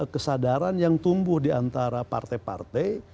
kesadaran yang tumbuh diantara partai partai